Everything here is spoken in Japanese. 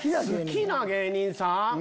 好きな芸人さん？